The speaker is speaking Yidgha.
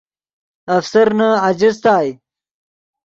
افسرنے اجستائے